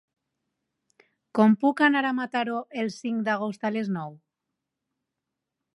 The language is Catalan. Com puc anar a Mataró el cinc d'agost a les nou?